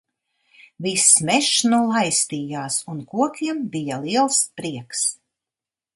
Viss mežs nu laistījās un kokiem bija liels prieks.